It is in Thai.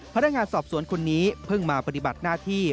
พนักงานสอบสวนคนนี้เพิ่งมาปฏิบัติหน้าที่